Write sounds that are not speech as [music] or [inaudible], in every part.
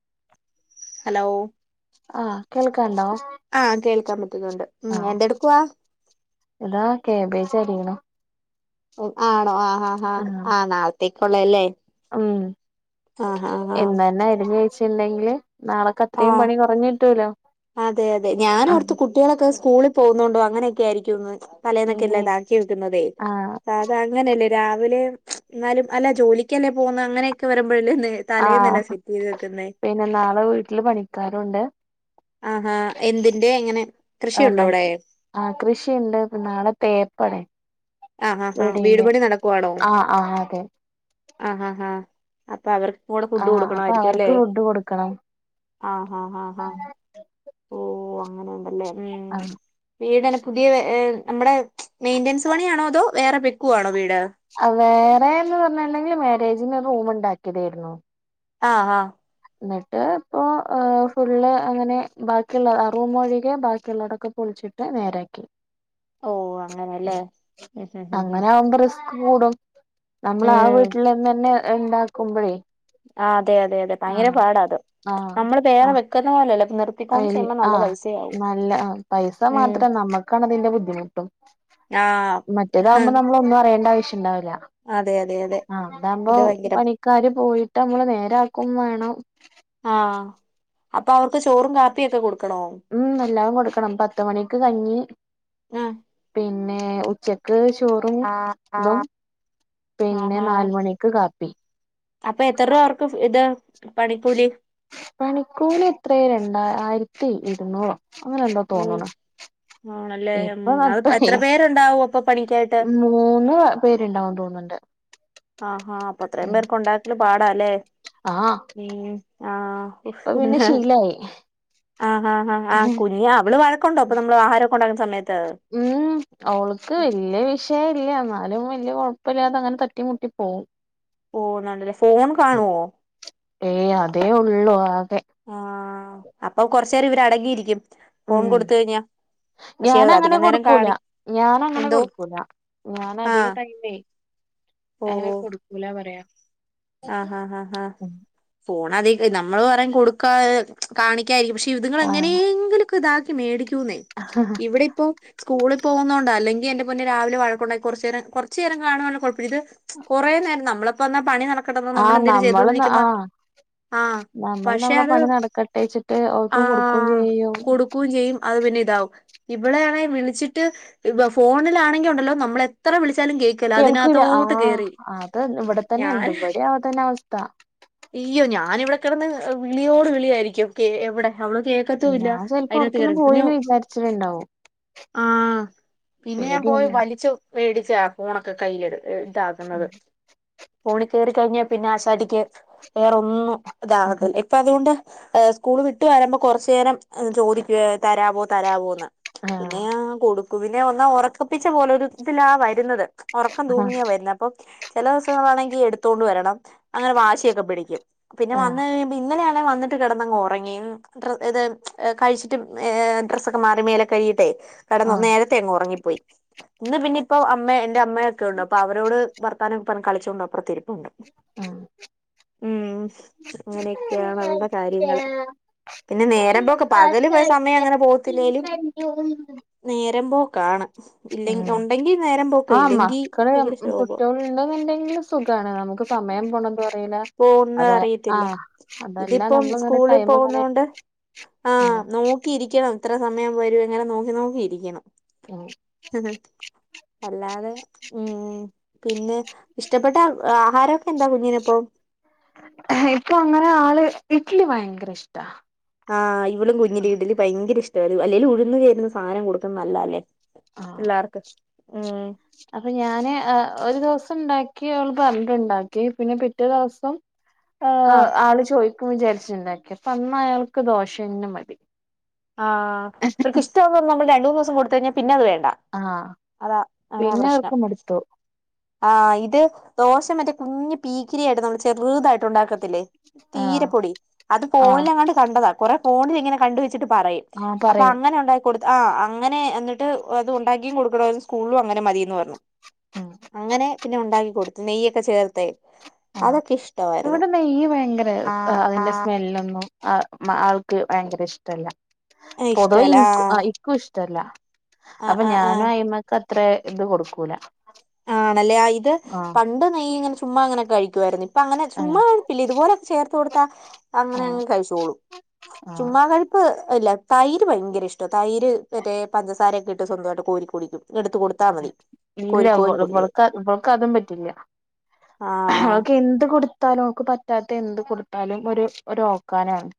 [inaudible] Hello ആഹ് കേൾക്കാണ്ടോ ആഹ കേൾക്കാൻ പറ്റുന്നുണ്ട് ഉം എന്തെടുക്കവാ? എടാ കാബ്ബജ് അരിയ്യണം. ആണോ ആ ആാ ആാ ആഹ് നാളത്തേക്കള്ളല്ലേ ഉം ആഹ് ഇന്നന്നെ അരിഞ്ഞവെച്ചിണ്ടെങ്കിൽ. നാളക്കെ അത്രയും ആഹ് പണി കുറഞ്ഞിട്ടൂലോ. അതെ അതെ ഞാനോർത്ത കുട്ടികളൊക്കെ സ്കൂളിൽ പോകുന്നുണ്ടോ അങ്ങനെയൊക്കെ ആയിരിക്കുംന്ന്. തലേന്നൊക്കെല്ലേ ഉം ഇതാക്കി വെക്കുന്നതേ ആഹ് അത അങ്ങനെയല്ലേ. രാവിലെ ന്നാലും അല്ല ജോലിക്ക് അല്ലെ പോവുന്നെ അങ്ങനെയൊക്കെ വരു. തലേന്നെലാം ആഹ് സെറ്റ് ചെയ്ത് വെക്കുന്നെ. പിന്നെ നാളെ വീട്ടില് പണിക്കാരുണ്ട് ആഹാഹാ എന്തിന്റെ എങ്ങനെ കൃഷിയുണ്ടോ അവിടെ. ആഹ കൃഷിയുണ്ട് നാളെ തേപ്പാണ്. ആഹ ആാഹാ വീടുപടി നടക്കുവാണോ ആഹ് ആഹ് അതെ ആഹ ആഹാ. അപ്പൊ അവർക്ക്. കൂടെ ഫുഡ് ആഹ് അപ്പൊ കൊടുക്കണായിരിക്കും അവർക്ക് അല്ലേ ഫുഡ് കൊടുക്കണം ആഹ ആ ആ്. [inaudible] അങ്ങനെണ്ടല്ലേ ഉം ആഹ് വീട്ന്നെ പുതിയ് നമ്മടെ മെയിന്റനൻസ് പണിയാണോ. അതോ വേറെ വെക്കുവാണോ വീട്. വേറെന്ന് പറഞ്ഞിട്ടുണ്ടെങ്കിൽ മാരേജിന് റൂമ ഉണ്ടാക്കിയതായിരുന്നു. ആഹ ആഹ്. എന്നിട്ട് ഇപ്പോ ഫുള്ള് അങ്ങനെ ബാക്കിയുള്ള റൂമ ഒഴികെ ബാക്കിയുള്ളടൊക്കെ പൊളിച്ചു. നേരക്കി ഓ അങ്ങനെല്ലേ ഉം ഉം ഉം ഉം അങ്ങനെ ആവുമ്പോ റിസ്. കൂടും നമ്മൾ ആ ഉം വീട്ടിൽന്ന് തന്നെ ഉണ്ടാക്കുമ്പോഴേ. ആ അതെ അതെ അതെ ഭയങ്കര ആഹ് പാടാ അത് ആഹ് നമ്മള് വേറെ വെക്കുന്ന പോലെല്ലോ. നിർത്തിക്യോണ്ട് ആഹ് ചെയുമ്പോ നല്ല ആഹ് പൈസ. നല്ല പൈസ മാത്രം നമ്മുക്കാണ് അതിന്റെ ബുദ്ധിമുട്ടും. ആഹ് മറ്റേതാകുമ്പോൾ നമ്മള ഒന്നും അറിയെണ്ട ആവശ്യില്ല. അതെ അതെ. അതെ ആഹ അതാവകുമ്പോ ഇത് ഭയങ്കര പണിക്കാര് പോയിട്ട് നമ്മള് നേരാക്കും വേണം. ആഹ അപ്പൊ അവർക്ക് ചോറും കാപിയൊക്കെ കൊടുക്കു. ഉം നല്ലാവും കൊടുക്കണം പത്തമണിക്ക് കഞ്ഞി ഉം പിന്നെ. പിന്നെ ഉച്ചക്ക് ചോറും [unintelligible] ഇതും. പിന്നെ ആഹാ നാല് മണിക്ക് കാപ്പി. അപ്പൊ എത്ര രൂപ അവർക്ക് ഇത് പണിക്കൂലി മണിക്കൂർ എത്രയ രണ്ട ആയിരത്തി ഇരുന്നൂറോ. അങ്ങനെയല്ലോ ഓ തോന്നണ. ആണല്ലേ ഉം ഇപ്പ അത് അപ്പ എത്ര പേരുണ്ടാവും അപ്പൊ പണിക്കായിട്ട് മൂന്ന് പേരുണ്ടാവും തോന്നുണ്ട്. ആഹാ അപ്പൊ അത്രയും പേർക്ക് ഉണ്ടാക്കല് പാടല്ലേ. ആഹ് ഏ ആ ഇപ്പൊ പിന്നെ ഹുഹേ. ശീലായി ആഹ് ആഹാ ഹാ ആാ കുഞ് അവള് വഴക്കുണ്ടോ അപ്പൊ നമ്മള് ആഹാരൊക്കെ ഉണ്ടാക്കുന്ന സമയത്ത്. ഉം അവൾക്ക് വല്യ വിഷയല്യ ന്നാലും വല്യ. വല്യകൊഴപ്പല്ലാതെ അങ്ങനെ തട്ടിമുട്ടി പോവും. ഓ നല്ലേ ഫോൺ കാണുവോ. ഏയ് അതേ ഉള്ളൂ. ആഹ അപ്പൊ കുറച്ചുനേരം ഇവര് അടങ്ങിയിരിക്കും ഫോൺ കൊടുത്തഴിഞ്ഞ. ഞൻ അങ്ങനെ കൊടുക്കൂല ഞാനങ്ങനെ എന്തോ കൊടുക്കൂല ഞാൻ അധിക ആഹ് ടൈംയ് ആഹ് കൊടുക്കൂല പറയാ. ആഹ ആാ ആ ഹാ ഫോൺ അതി നമ്മള് പറ കൊടുക്കാ കാണിക്കായിരിക്കും പക്ഷെ. ഇതിങ്ങൾ ആഹ് എങ്ങനെയെങ്കിലൊക്കെതാക്കി മേടിക്കൂന്നേ ഇവിടെ ഇപ്പോ. സ്കൂളിൽ പോകുന്നൊണ്ട അല്ലെകി എന്റെ പോനെ രാവിലെ വഴക്കുണ്ടാക്കി കുറചേരം കുറുചേരം കാണാനങ്കിൽ. ഇത് കുറെേ നേരം നമ്മളിപ്പോ ന്താ പണി നടക്കണ്ടോ നമ്മൾ ആഹ് എന്തേങ്കിലും നമ്മള് ചെയ്തൊണ്ടിരിക്കുമ്പോ. ആഹ് ആഹ് നമ്മള് പക്ഷെ നമ്മളെ അത് പണി നടക്കട്ടെച്ചിട്ട് ആ ഓൾക്ക് കൊടുക്കും ചെയ്യും കൊടുക്കുക ചെയും. അത് പിന്നെ ഇതാവും ഇവിടൊണെങ്കിൽ വിളിച്ചിട്ട് ഇ ഫോണിലാണെങ്കിൽ ഉണ്ടല്ലോ നമ്മളെത്ര വിളിച്ച. കേൾക്കൂല ആഹ അത് ഇവിടെ ഞാൻ തന്നെയിണ്ട് ഇവിടെ ആ തന്നെ അവസ്ഥ. അയ്യോ ഞാനിവിടെ കിടന്ന് വിളിയോട് വിളിയായിരിക്കുംക്കെ എവിടെ. അവള് കേക്കത്തും ഇല്ല ഞാൻ ചെലപ്പോ അതിനകത്ത് കേയറ അവിടക്കെല്ലാം പിന്നെ പോയിന്ന് വിചാരിച്ചിട്ടുണ്ടാവും ആഹ പിന്നെ ഞാൻ പോയി പേടിയാണ് വലിച്ചു മേടിച്ച ഫോണൊക്കെ കയ്യില ഇതാക്കുന്നത് ഫോണ കഴിഞ്ഞാൽ പിന്നെ ആസാരിക്ക് വേറെ ഒന്നും ഇതാകല്ല ഇപ്പൊ അതുകൊണ്ട് ഹ് സ്കൂള് വിട്ടു വരുമ്പോൾ കുറച്ചു നേരം ചോദിക്കു തരാമോ തരമോ എന്ന് ആഹ് പിന്നെയ കൊടുക്കും പിന്നെ ഒന്നാ ഉറക്കപ്പിച്ച പോലെ ഒരുത്തിലാ വരുന്നത് ഉറക്കം ആഹ് തൂങ്ങിയ വരുന്നത് അപ്പൊ ചില ദിവസങ്ങളാണെങ്കി എടുത്തോണ്ട് വരണം അങ്ങനെ വാശിയൊക്കെ പിടിക്കും പിന്നെ ആഹ് വന്ന് കഴിയ്പ ഇന്നലെയ വന്നിട്ട് കിടന്നങ് ഉറങ്ങി മ് ർ കഴിച്ചിട്ട് ഡ്രസ്സ്ക്കെ മാറി മേല കൈകീട്ടെ കടന്നു ആഹ് നേരത്തെ അങ്ങ് ഉറങ്ങിപ്പോയി ഇന്ന് പിന്നെ ഇപ്പോൊ അമ്മ എന്റെ അമ്മയൊക്കെ ഉണ്ട് അപ്പൊ അവരോട് വർത്താന പറഞ്ഞു കളിചോണ്ട് അപ്പറതിരിപ്പു ആഹ ഉം അങ്ങനെയൊക്കെയാണ് അവടെ കാര്യങ്ങള് പിന്നെ നേരമ്പോക്കെ പകല് പോ സമയം അങ്ങനെ ഉം പോകത്തില്ലെലും നേരമ്പോ ഉ പോക്ക് ആ ഇല്ലെങ്കി മക്കള് ഭയങ്കര ശോകം കുട്ടികളെന്നുണ്ടെങ്കിലും സുഖ ങ്ങാണ് നമുക് സമയം പോണതും അറിയൂല പോകുന്നത് ആ അറിയത്തില്ല അതല്ല നമ്മളിങ്ങനെ ടൈമ് നോക്ക ണ്ട് ആ നോക്കിയിരിക്കണം ഇത്ര സമയം വരും എങ്ങനെ നോക്കി നോക്കിയിരിക്കണം ഉം അല്ലാതെ ഉം പിന്നെ ഇഷ്ടപ്പെെട്ട ആഹാരംക്കെ എന്താ കുഞ്ഞിനപ്പം ഇപ്പൊ അങ്ങനെ ആള് ഇഡലി ഭയങ്കര ഇഷ്ടാ ആഹ് ഇവളും കുഞ്ഞിലെ ഇടലി ഭയങ്കര ഇഷ്ടമായി അല്ലെലും ഉഴു ന്ന് ചേര്ന്ന സാനം കൊടുക്കുന്നത് നല്ലത അല്ലേ ആഹ് എല്ലർക്ക് അപ്പൊ ഞാന് ഒരു ദിവസം ഉണ്ടാക്കി അവള് പറഞ്ഞിട്ടുണ്ടാക്കി പിന്നെ പിറ്റേ ദിവസം ഹ് ആഹ് ആള് ചോയ് യിക്കും വിചാരിച്ചിട്ടുണ്ടാക്കി അപ്പ അന്ന അയാൾക്ക് ദോഷംന്നന് മതി ആ ക്ക് ഇഷ്ടന്ന് നമ്മള് രണ്ട മൂന്ന് ദസം കൊടുത്ത കഴിഞ്ഞാ പിന്ന അത് വേണ്ട ആഹ് അതാ അതാ പിന്നെ പ്രശ്നം അവർക്ക് മടുത്തു ആഹ് ഇത് ദോശ മറ്റേ കുഞ്ഞഞ് പീക്കിരിയായിട്ട് നമ്മള് ചെറുതായിട്ട് ഉണ്ടാക്കുന്നത് തീര ആഹ് പൊടി അത് ആഹ് പോലങ് കണ്ടതാ കൊറെ പോണ്ലങ്ങനെ കണ്ട് വെച് പറയും ആഹ് അപ്പൊ പറയും അങ്ങനെ ഉണ്ടായി കൊടു ആഹ് അങ്ങനെ എന്നിട്ട് അത് ഉണ്ടാക്കിയും കൊടുക്കണംത് സ്കൂളിലും അങ്ങനെ മതിന്ന് പറഞ്ഞു ഉം അങ്ങനെ പിന്നെ ഉണ്ടാക്കി കൊടുത്ത്നെയ്യൊക്കെ ചേർത്ത ആ വിടെ നെയ്യ് ഭയങ്കര ആ ആ അതിന്റെ സ്മെല്ലൊന്നും ആ മ ആൾക്ക് ഭയങ്കര ഇഷ്ടല്ല പൊതുവ ഇഷ്ടല്ല ഇൻ ആഹ് ഇക്കു ഇശ് ടല്ല അപ്പൊ ആഹ് ആഹ് ആഹ് ഞാനും അയി്മക്ക് അത്ര ഇത് കൊടുക്കൂല ആണല്ലെ ഇത് ആഹ് പണ്ട് നെയ്യ ഇങ്ങനെ ചുമ്മ ങ്ങനെ വായിരുന്നു ഇപ്പൊ അങ്ങനെ ആഹ് ചുമ്മാ ഇതുപോലൊക്കെ ചേർത്ത് കൊടുത്താ ആഹ് അങ്ങനെയങ്ങങ് കഴിച്ചോളും ആഹ് ചുമ്മാ കഴുപ്പ് ഇല്ല തൈര് ഭയങ്കര ഇഷ്ടം തൈര് മറ്റേ പഞ്ചസാരയൊക്കെ ഇട്ട് സ്വന്തമായിട്ട് കോരി കുടിക്കും എടുത്ത കൊടുത്താ മതി കോര് ഇവ ഇവൾക്ക് അതും പറ്റില്ലക്ക് ആഹ് അവൾക് എന്തു കൊടുത് മോക്ക് പറ്റാത്ത എന്ത് കൊടുത്താലും ഒരു ഒരു ഓക്കാനാണ്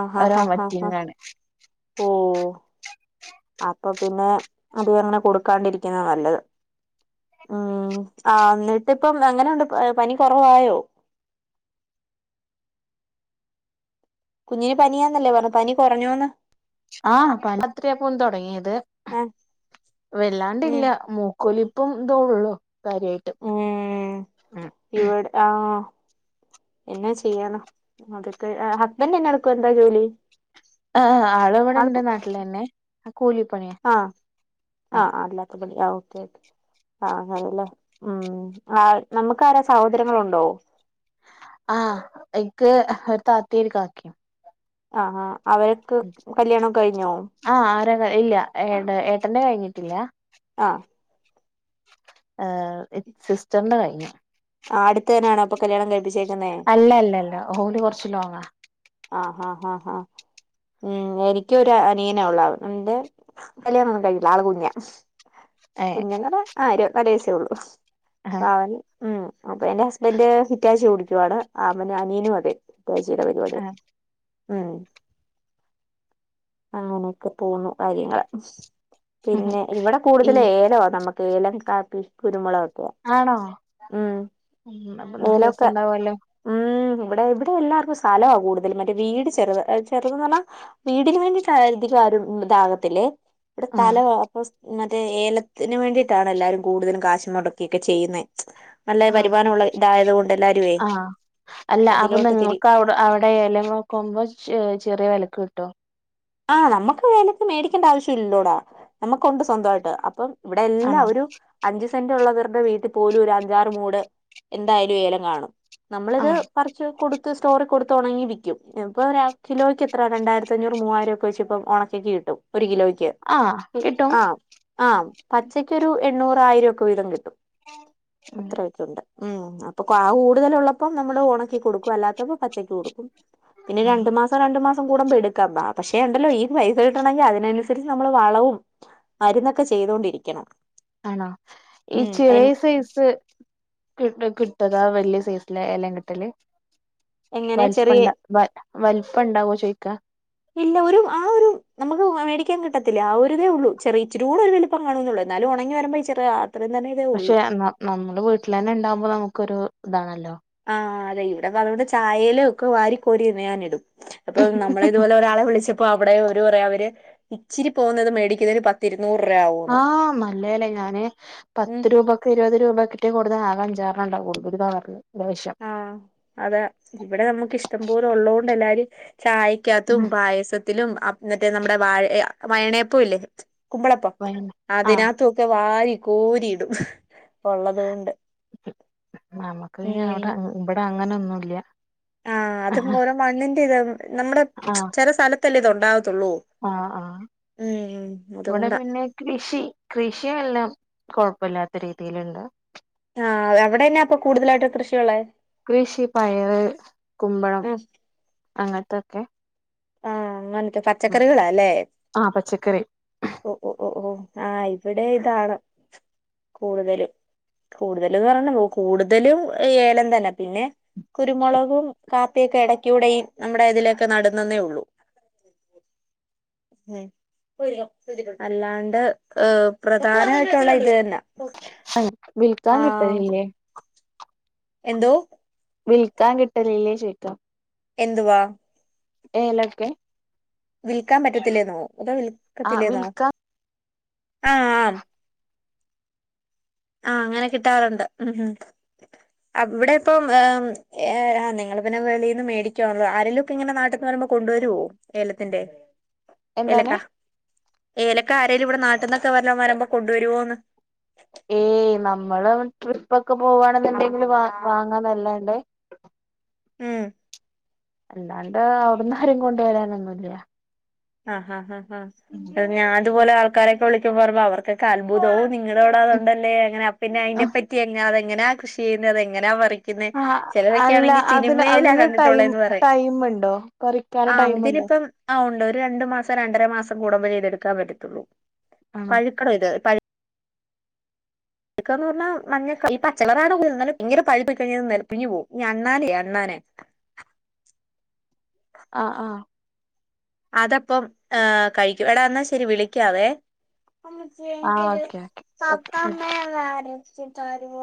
ആഹ ഹാ ഒരു ഹ ഹ ഹാ ഒമറ്റിങ്ങാണ് ഓ അപ്പൊ പിന്നെ അത് അങ്ങനെ കൊടുക്കാണ്ടിരിക്കുന്ന നല്ലത് ഉം ആ എന്നിട്ട് ഇപ്പം അങ്ങനെ ഉണ്ട് പനി കുറവായോ കുഞ്ഞിന് പനീയാന്നല്ലേ പറഞ്ഞ പനി കുറഞ്ഞോന്ന് ആഹ പണ്ട് അത്രയാ പോൻ തൊടങ്ങിയത് ആഹ് വെല്ലാണ്ടി ല്ല ഉം കൊലിപ്പും എതോള്ളോ കാര്യമായിട്ട് ഉം ഇവിടെ ആഹ എന്നാ ചെയ്യാനോ അതൊക്കെ ഹസ്ബൻഡന്നെ എടുക്കുവ എന്താ ജോലി ആ് ആള് ഇവ്ടെ ഇണ്ട് നാട്ടിലെന്നെ ആ കൂലി ആ ആ അല്ലാത്തപളി ഓക്കെ ആ അതല്ല ഉം ആ നമുക്ക് ആാരാ സഹോദര്യങ്ങഉണ്ടോ? ആഹ് എക്ക് ഒരു താത്തി കാക്യും. ആ ആ അവരക്ക് കല്യാണം കഴിഞ്ഞോ? ആഹ് ഇല്ല ഏ ഏട്ടന്റെ കഴിഞ്ഞിട്ടില്ല. ആ ഏ സിസ്റ്റർന്റെ കഴിഞ്ഞു. ആ അടുത്തനാണോ അപ്പൊ കല്ല്യാണം കഴപ്പിച്ചേ? അല്ല അല്ല അല്ല ഓല് കൊറച്ച് ലോങ്ങാ. ആഹ് ആഹ് ആഹ് ഹഹ് ഉം എനികൊരു അനിയനാ ഉള്ളേ ഇന്റെ കല്ല്യാണൊന്നും കഴിഞ്ഞില്ല ആള് കുഞ്ഞ. ഏഹ് കുഞ്ഞന്നറ ആ ര് രൂവസേ ഉള്ളു ആഹ് പാവൻ അപ്പൊ എന്റെ ഹസ്ബന്ഡ് ഹിറ്റാച്ചി കോടിക്കുവയാണ് അമ്മന അനിയനും അതെ ഹിറ്റാച്ചിയുടെ പരിപാടി. ആഹ് ഉം അങ്ങനെയൊക്കെ പോന്നുന്നു കാര്യങ്ങള് പിന്നെ ഇവിടെ ഈ കൂടുതൽ ഏലോവാ നമക്ക് ഏലം കാപ്പി കുരുമുളക് ആണോ ഉം ഏലൊക്കെ അപ്പന്നല്ലരസുണ്ടാവല്ലോ? ഉം ഇവിടെ ഇവിടെ എല്ലാർക്കും സ്ഥലാ കൂടുതൽ മറ്റേ വീട് ചെറുത് ചെറുതന്നറഞ്ഞാ വീടിൻ വേണ്ടിട്ട് ആ ധികുംതാകത്തില്ലേ ഇവിടെ ആഹ് തലവാ മറ്റേ ഏലത്തിന് വേണ്ടിയിട്ടാണ് എല്ലാരും കൂടുതലും കാശ് മുടക്കൊക്കെ ചെയ്യുന്നെ. നല്ല ആഹ് വരുമാനംമുള്ള ഇതായത് കൊണ്ട് എല്ലരുവേ ആഹ് അല്ല അപ്പൊ നിങ്ങൾക്ക് അവിടെ അവിടെല നോക്കുമ്പോ ചെറിയ വെലക്ക് കിട്ടോ? ആഹ് നമ്മുക്ക് വേലക്ക് മേടിക്കേണ്ട ആവശ്യം ഇില്ലല്ലോടാ നമുക്കുണ്ട് സ്വന്തമായിട്ട് അപ്പം ഇവിടെ എല്ല ആണോ ഒരു അഞ്ച് സെന്റ് ഉള്ളവർ വീട്ടിൽ പോലും ഒരു അഞ്ചാറ് മൂട് എന്തായാലും ഏലം കാണും നമ്മളിത് ആഹ് പറച്ച് കൊടു പത്ത് സ്റ്റോറി കൊടുത്തുണെങ്കി വിക്കും ഇപ്പോ രാ കിലോയ്കെത്രാ രണ്ടായിരത്തഞ്ഞൂറ് മൂവായിരൊ കുയിച്പ്പം ഉണക്കക്ക് കിട്ടും ഒരു കിലോയ്ക്ക് ആഹ് കിട്ടും ആ ആ പച്ചക്കൊരു എണ്ണൂറായിരം ഒക്കെ വീതം കിട്ടും ഉം അത്രയൊക്കെ ഉം അപ്പൊ ക്വ കൂടുതലുള്ളപ്പം നമ്മള് ഉണക്കി കൊടുക്കും അല്ലാത്തപ്പോ പച്ചക്ക് കൊടുക്കും. പിന്നെ ആഹ് രണ്ടു മാസം രണ്ടു മാസം കൂടമ്പ എടുക്കാം ബാ പക്ഷേ ഉണ്ടല്ലോ ഈ പൈസ കിട്ടണമെങ്കിൽ അതിനനുസരിച്ച് നമ്മള് വളവും മരുന്നൊക്കെ ചെയ്തുകൊണ്ടിരിക്കണം. ആണോ ഈ ചെറിയ സൈസ് ക കി ഇത്തതാ വലിയ സീസില് ഏല കട്ടല്? എങ്ങനെ ചെറിയ വലിപ്പണ്ട വ വലിപ്പണ്ടാവോ ചോയിക്കാ? ഇല്ല ഒരു ആ ഒരു നമുക്ക് മേടിക്കാൻ കിട്ടത്തില്ല ആ ഒരുതേ ഉള്ളൂ ചെറിയ ഇച്ചിരൂടെ ഒരു വളുപ്പം കാണവെള്ള എന്നാലും ഉണങ്ങി വര്മ്പോ ഇചെറ പക്ഷെ ന നമ്മള് വീട്ടിലെന്നെണ്ടാവു മ്പോ നമുക്കൊരു ഇതാണല്ലോ? ആ്ലേ ഇവിടെ അതോടെ ചായേല് ഒക്കെ വാരി കോരിന്ന് ഇന്ന്ന ഇടും അപ്പൊ നമ്മളേ ഇതുപോലെ ഒരാളെ വിളിച്ചപ്പോ അവിടെ ഒര് എന്താപറയാ അവര് ഇച്ചിരി പോന്നത് മേടിക്കിന്നതിന് പത് ആഹ് മല്ലല്ലേ ഞാന് ഉം പത്ത് രൂപക്ക് ഇരുപത് രൂപക് റ്റവും കൂടുതൽ ആകെ അഞ്ചാറെണ്ണണ്ടാവോള്ളു ഒരു കവർല്. ആ അത ഇവിടെ നമ്മുക്ക് ഇഷ്ടംപോലെ ഉള്ളതത് കൊണ്ട് എല്ലാരും ചായക്കാത്തും പായസത്തിലും അപ് നറ്റേ നമ്മുടെ വാഴ വയണയപ്പോ ല്ല്യെ? കുമ്പളപ്പം ആഹ് അതിനതോക്കെ വാരി കോരിടും ഹ് ഒള്ളത് കൊണ്ട് ഉം വ്വടെ അങ്ങനെന്നുംല്യാ ആ അതും ഓരോ മണ്ണിന്റെ ഇതാവു നമ്മുടെ ചെല സ്ഥലത്തല്ലേ ഇത്ണ്ടാവ ആ ആ ഇവിടെ അതുകൊണ്ടാ പിന്നെ കൃഷി കൃഷിയല്ലാം കൊഴപ്പല്ലാത്ത രീതിയിലുണ്ട് ആഹ് എവിടെ തന്നെയ അപ്പൊ കൂടുതലായിട്ട് കൃഷിയുള്ളത് കൃഷി പയറർ കുമ്പളം അങ്ങനത്തൊക്കെ ആഹ അങ്ങനത്തെ ഉം പച്ചക്കറികളാല്ലേ ആഹ് പച്ചക്കറി ആഹ് ഇവിടെ ഇതാണ് കൂടുതലും കൂടുതലുംന്ന് പറഞ്ഞ പോ കൂടുതലും ഏലം തന്നെ പിന്നെ കുരുമുളകും കാപ്പിയൊക്കെ ഇടക്ക് ഇവിടെ നമ്മുടെ ഇതിലൊക്കെ നടുന്നതേ ഉള്ളൂ അ മ്മ് അല്ലാണ്ട് പ്രധാനമായിട്ടുള്ള ഇത് തന്നെ അ വിൽക്കാൻ കിട്ടുന്നില്ലേ എന്തോ വിൽക്കാൻ കിട്ടലില്ലേ ചോദിക്കാ എന്തുവാ ഏലക്ക വിൽക്കാൻ പറ്റത്തില്ലേന്നോ അതോ ആഹ് വിൽക്കത്തില്ലേന്നോ വിൽക്കാൻ ആഹ ആ ആഹ അങ്ങനെ കിട്ടാറുണ്ട് മ്മ് അവിടെ ഇപ്പം നിങ്ങ പിന്നെ വെളിന്ന് മേടിക്കുവാണല്ലോ ആരെങ്കലുംക്കെ ഇങ്ങനെ നാട്ടിന്നു വരുമ്പോ കൊണ്ടുവരോ ഏലത്തിന്റെ എന്താണ് ഏലക്ക ഏലക്ക ആരാലും ഇവിടെ നാട്ടിൽന്നൊക്കെ വരു വരുമ്പോ കൊണ്ടുവരുവോന്ന് ഏയ് നമ്മള് ട്രിപ്പ് ഒക്കെ പോവാണെന്നുണ്ടെങ്കില് വാങ്ങാന്നല്ലാണ്ടേ മ്മ് അല്ലാണ്ട് അവിടന്ന് ആരും കൊണ്ടുവരാനൊന്നുമില്ല ആാ ഞാൻ അതുപോലെ ആൾക്കാരൊക്കെ വിളിച്ച് പറയുമ്പോ അവർക്കൊക്കെ അത്ഭുതം നിങ്ങളോട ഉം അതതുണ്ടല്ലേ അങ്ങനാ പിന്നെ ആ അതിനെ പറ്റി എങ്ങന അതെങ്ങനാ കൃഷി ചെയ്യുന്നത്ത എങ്ങനാ പറ ആഹ് ചിലരൊക്കെ അല്ല ആണെങ്കിൽ അതിന് സിനിമയിലാ അതിന് കണ്ടിട്ടുള്ളത് ടൈം എന്ന് പറയും ടൈമുണ്ടോ പറിക്കാൻ ആ ടൈമുണ്ടോ ആ രണ്ട് മാസം രണ്ടര മാസം കൂടുമ്പയേ ഇത് എടുക്കാൻ പറ്റാത്തൊള്ളൂ ആണോ പഴുക്കണം ഇത് പഴു ക്കാന്ന് പറഞ്ഞാൽ മഞ്ഞ ഈ പച്ചളാണ് ഭയര പഴപ്പിക്കഴി നെിലപ്പിഇഞ്ഞു പോവും ന അണ്ണാനെ അണ്ണാൻ [inaudible] [inaudible] ആഹ ആഹ അതപ്പം ഏ കഴിക്കും എടാ എന്നാ ശരി വിളിക്കാവേ ആഹ് ഓക്കെ സതല്ലര ത [unintelligible]